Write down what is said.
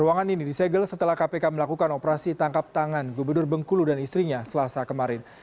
ruangan ini disegel setelah kpk melakukan operasi tangkap tangan gubernur bengkulu dan istrinya selasa kemarin